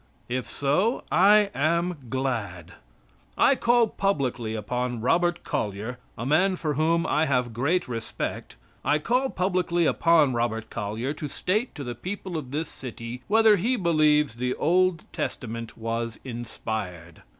If so, I am glad. I call publicly upon Robert Collyer a man for whom I have great respect I call publicly upon Robert Collyer to state to the people of this city whether he believes the Old Testament was inspired.